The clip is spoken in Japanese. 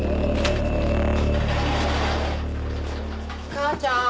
母ちゃーん！